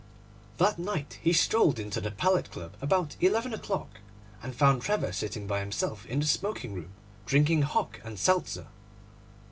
That night he strolled into the Palette Club about eleven o'clock, and found Trevor sitting by himself in the smoking room drinking hock and seltzer.